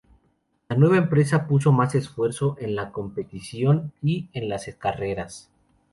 La nueva empresa puso más esfuerzo en la competición y en las carreras.